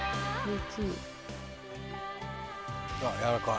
ああやわらかい。